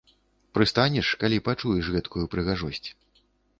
Прыстанеш, калі пачуеш гэткую прыгожасць.